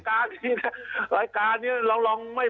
โบรมอธิบดีปล่อยเฉยก็โดนเลย